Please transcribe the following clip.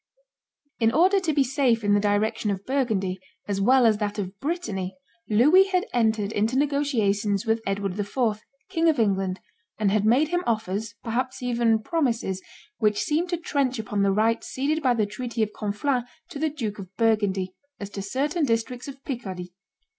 In order to be safe in the direction of Burgundy as well as that of Brittany, Louis had entered into negotiations with Edward IV., King of England, and had made him offers, perhaps even promises, which seemed to trench upon the rights ceded by the treaty of Conflans to the Duke of Burgundy, as to certain districts of Picardy.